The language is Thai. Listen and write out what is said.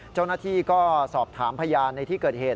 เจ้าหน้าที่ก็สอบถามพยานในที่เกิดเหตุ